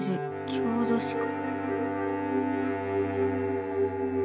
郷土史家」。